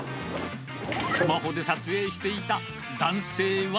スマホで撮影していた男性は。